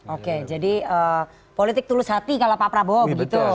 oke jadi politik tulus hati kalau pak prabowo begitu